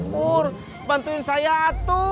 pur bantuin saya atu